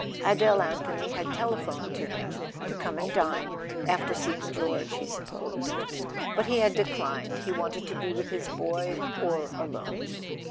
Adele Anthony had telephoned to him to come and dine—after seeing George, he supposed; but he had declined. He wanted to be with his boy, or alone.